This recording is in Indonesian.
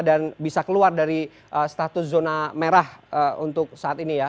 dan bisa keluar dari status zona merah untuk saat ini ya